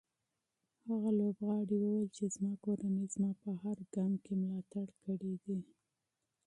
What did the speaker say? هغه لوبغاړی وویل چې زما کورنۍ زما په هر ګام کې ملاتړ کړی دی.